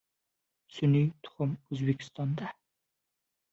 Sun’iy tuxum O‘zbekistonda...